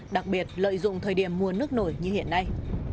đặc biệt lợi dụng thời điểm mùa nước nổi như hiện nay